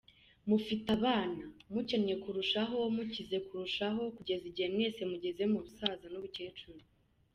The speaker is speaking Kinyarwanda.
Mufite abana, mukennye kurushaho, mukize kurushaho, kugeza igihe mwese mugeze mu busaza n’ubukecuru.